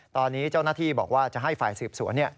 ตอนนี้เจ้าหน้าที่บอกว่าจะให้ฝ่ายสืบสวน